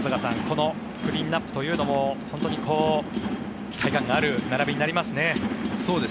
このクリーンアップというのも本当に期待感がある並びになりますね。